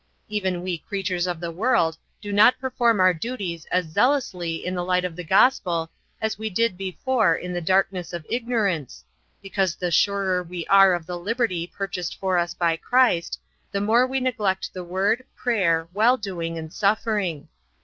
Even we creatures of the world do not perform our duties as zealously in the light of the Gospel as we did before in the darkness of ignorance, because the surer we are of the liberty purchased for us by Christ, the more we neglect the Word, prayer, well doing, and suffering.